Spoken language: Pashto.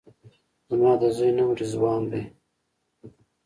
زما د زوی نوم رضوان دی